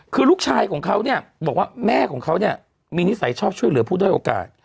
คือลูกชายของเขาเนี่ยบอกว่าแม่ของเขาเนี่ยมีนิสัยชอบช่วยเหลือผู้ด้อยโอกาส